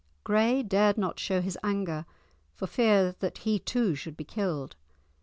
Gray dared not show his anger, for fear he too should be killed.